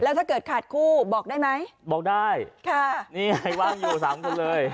ถ้าเกิดขาดคู่บอกได้ไหมบอกได้ค่ะนี่ไงว่างอยู่สามคนเลย